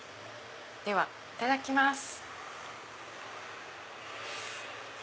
ではいただきます。